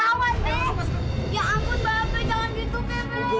ya ampun bang be jangan gitu be